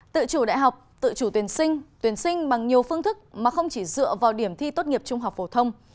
tự chủ đại học tự chủ tuyển sinh tuyển sinh bằng nhiều phương thức mà không chỉ dựa vào điểm thi tốt nghiệp trung học phổ thông